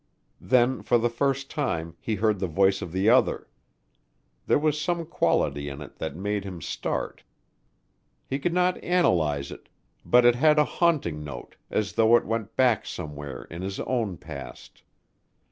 Then for the first time he heard the voice of the other. There was some quality in it that made him start. He could not analyze it, but it had a haunting note as though it went back somewhere in his own past.